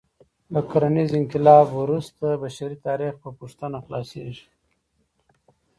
له کرنیز انقلاب وروسته بشري تاریخ په پوښتنه خلاصه کېږي.